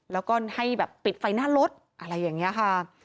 แล้วก็ให้แบบปิดไฟหน้ารถอะไรอย่างนี้ค่ะ